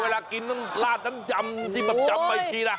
โอ้โหเวลากินต้องลาดจำจิบปับจำไม่อีกทีล่ะ